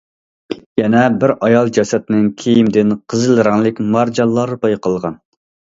يەنە بىر ئايال جەسەتنىڭ كىيىمىدىن قىزىل رەڭلىك مارجانلار بايقالغان.